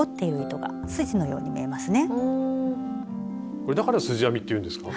これだから「すじ編み」っていうんですか？